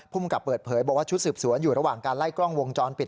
กับเปิดเผยบอกว่าชุดสืบสวนอยู่ระหว่างการไล่กล้องวงจรปิด